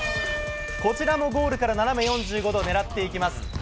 こちらもゴールから斜め４５度狙っていきます。